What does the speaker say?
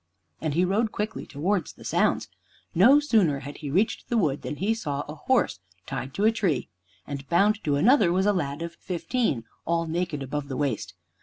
And he rode quickly towards the sounds. No sooner had he reached the wood than he saw a horse tied to a tree, and bound to another was a lad of fifteen, all naked above the waist.